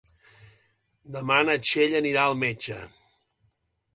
Demà na Txell anirà al metge.